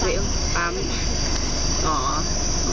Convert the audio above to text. อฮวอ่อยก็ไปแล้ว